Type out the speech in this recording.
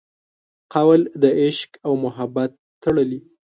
قول د عشق او محبت تړلي